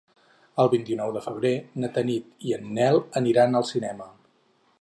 El vint-i-nou de febrer na Tanit i en Nel aniran al cinema.